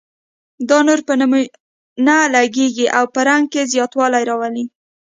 دا نور په نمونه لګیږي او په رنګ کې زیاتوالی راولي.